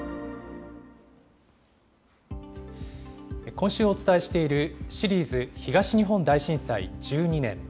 今週お伝えしている、シリーズ東日本大震災１２年。